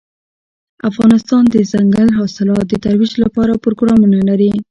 افغانستان د دځنګل حاصلات د ترویج لپاره پروګرامونه لري.